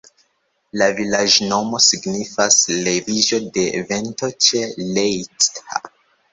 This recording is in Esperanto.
La vilaĝnomo signifas: leviĝo de vento ĉe Leitha.